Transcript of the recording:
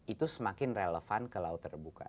itu semakin relevan ke laut terbuka